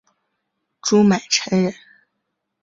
朱买臣人。